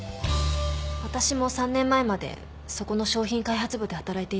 私も３年前までそこの商品開発部で働いていたんです。